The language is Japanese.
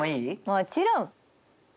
もちろん！